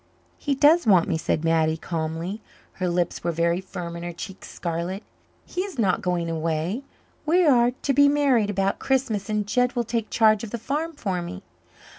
"He does want me," said Mattie calmly. Her lips were very firm and her cheeks scarlet. "He is not going away. We are to be married about Christmas, and Jed will take charge of the farm for me."